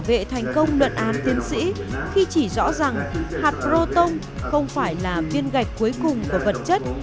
bảo vệ thành công luận án tiến sĩ khi chỉ rõ rằng hạt rotong không phải là viên gạch cuối cùng của vật chất